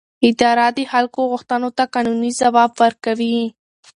اداره د خلکو غوښتنو ته قانوني ځواب ورکوي.